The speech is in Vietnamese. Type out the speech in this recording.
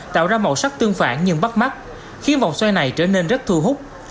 tạo ra màu sắc tương phản nhưng bắt mắt khiến vòng xoay này trở nên rất thu hút